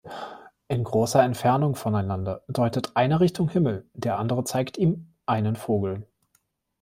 In großer Entfernung voneinander deutet einer Richtung Himmel, der andere zeigt ihm einen Vogel.